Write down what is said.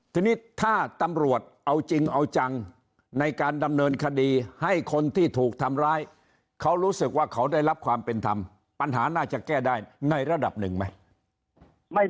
ทีนี้ถ้าตำรวจเอาจริงเอาจังในการดำเนินคดีให้คนที่ถูกทำร้ายเขารู้สึกว่าเขาได้รับความเป็นธรรมปัญหาน่าจะแก้ได้ในระดับหนึ่งไหม